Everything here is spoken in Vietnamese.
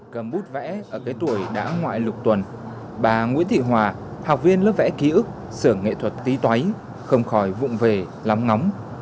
cầm bút vẽ ở tuổi đã ngoại lục tuần bà nguyễn thị hòa học viên lớp vẽ ký ức sở nghệ thuật tý tuấy không khỏi vụn về lắm ngóng